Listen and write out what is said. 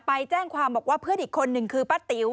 ไปแจ้งความบอกว่าเพื่อนอีกคนหนึ่งคือป้าติ๋ว